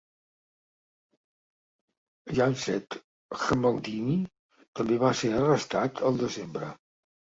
Jahanzeb Jamaldini també va ser arrestat el desembre.